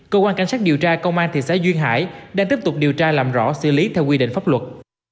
cơ quan cảnh sát điều tra công an thị xã duyên hải đang tiếp tục điều tra làm rõ xử lý theo quy định pháp luật